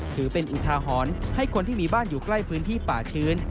ถือเป็นอุทาหรณ์ให้คนที่มีบ้านอยู่ใกล้พื้นที่ป่าชื้น